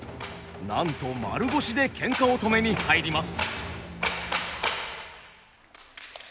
なんと丸腰でケンカを止めに入ります。